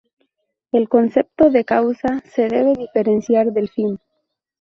El concepto de causa se debe diferenciar del fin.